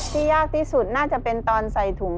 ยากที่สุดน่าจะเป็นตอนใส่ถุง